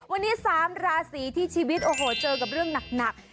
วันนี้๓ราศีที่ชีวิตโอ้โหเจอกับเรื่องหนัก